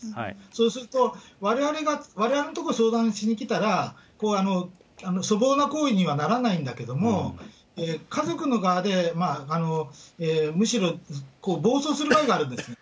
そうすると、われわれのところ相談しに来たら、粗暴な行為にはならないんだけれども、家族の側でむしろ暴走する場合があるんですね。